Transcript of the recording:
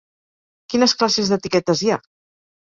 Quines classes d'etiquetes hi ha?